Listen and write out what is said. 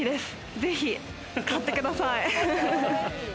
ぜひ買ってください。